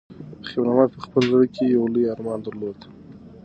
خیر محمد په خپل زړه کې یو لوی ارمان درلود.